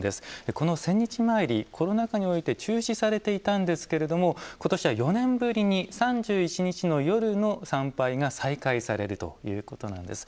この千日詣りコロナ禍において中止されていたんですけれども今年は４年ぶりに３１日の夜の参拝が再開されるということなんですね。